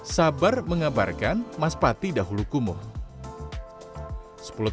sabar mengabarkan mas pati dahulu kumuh